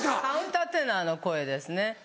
カウンターテナーの声ですね。